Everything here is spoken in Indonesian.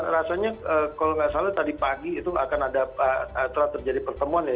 rasanya kalau nggak salah tadi pagi itu akan ada telah terjadi pertemuan ya